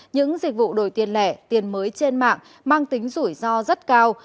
những dịch vụ đổi tiền lẻ tiền mới trên mạng mang tính rủi ro rất cao